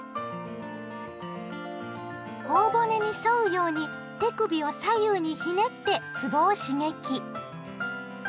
ほお骨に沿うように手首を左右にひねってつぼを刺激！